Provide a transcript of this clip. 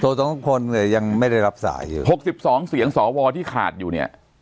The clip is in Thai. โทรทั้งคนเนี่ยยังไม่ได้รับสายอยู่หกสิบสองเสียงสอวอที่ขาดอยู่เนี่ย